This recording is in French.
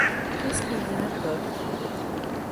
Qu’est-ce qu’il y a, Top ?